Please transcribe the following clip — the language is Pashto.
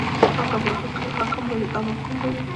حاکم به وي او که محکوم به وي.